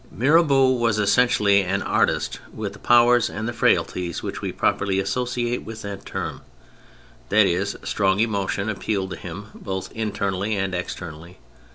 Mirabeau was essentially an artist, with the powers and the frailties which we properly associate with that term : that is, strong emotion appealed to him both internally and externally.